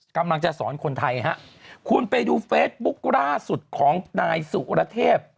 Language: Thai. กำลังจะสอนคนไทยฮะคุณไปดูเฟซบุ๊คล่าสุดของนายสุรเทพ